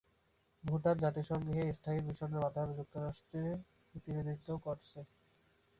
ভুটান জাতিসংঘে স্থায়ী মিশনের মাধ্যমে যুক্তরাষ্ট্রে প্রতিনিধিত্ব করছে।